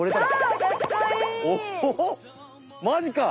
マジか！